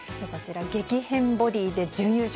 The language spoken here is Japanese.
激変ボディーで準優勝。